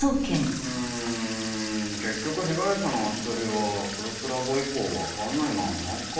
うーん結局被害者の足取りはアクロスラボ以降わかんないままかあ。